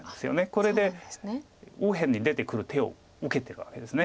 これで右辺に出てくる手を受けてるわけです。